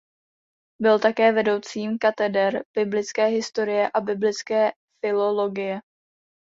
Byl také vedoucím kateder biblické historie a biblické filologie.